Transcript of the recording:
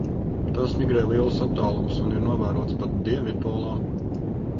Tās migrē lielus attālumus un ir novērotas pat dienvidpolā.